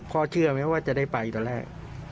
เชื่อไหมว่าจะได้ไปตอนแรก